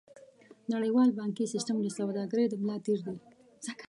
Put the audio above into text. نړیوال بانکي سیستم د سوداګرۍ د ملا تیر دی.